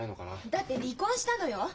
だって離婚したのよ？